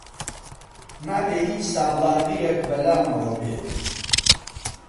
نابێ هیچ سابڵاغییەک بە لامەوە بێ!